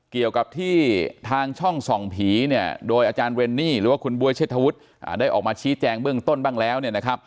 เกี่ยวกับที่ทางช่องส่องผีเนี่ยโดยอาจารย์เรนนี่หรือว่าคุณบ๊วยเชษฐวุฒิได้ออกมาชี้แจงเบื้องต้นบ้างแล้ว